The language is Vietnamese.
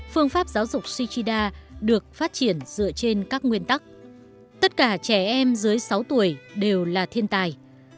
phương pháp giáo dục shichida được phát triển dựa trên các nguyên tắc tất cả trẻ em dưới sáu tuổi đều là thiên tài